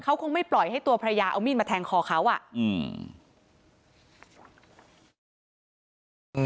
เขาคงไม่ปล่อยให้ตัวภรรยาเอามีดมาแทงคอเขาอ่ะอืม